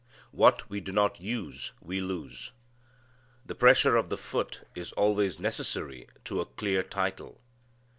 What we do not use we lose. The pressure of the foot is always necessary to a clear title.